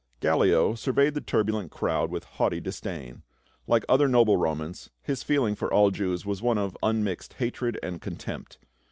THE TENT MAKER. 351 Gallio surveyed the turbulent crowd with haughty disdain ; hke other noble Romans his feeling for all Jews was one of unmixed hatred and contempt.